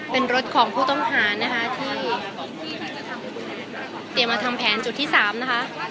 เป็นรถของผู้ต้องหานะคะที่เตรียมมาทำแผนจุดที่๓นะคะ